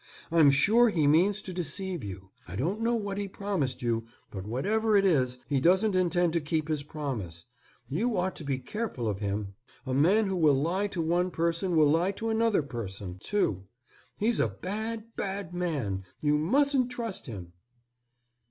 I'm sure he means to deceive you. I don't know what he promised you, but whatever it is, he doesn't intend to keep his promise. You ought to be careful of him. A man who will lie to one person will lie to another person, too. He's a bad, bad man. You mustn't trust him."